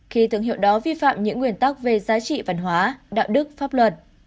khi thương hiệu đó vi phạm những nguyên tắc về giá trị văn hóa đạo đức pháp luật